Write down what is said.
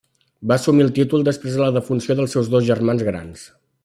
Va assumir el títol després de la defunció dels seus dos germans grans.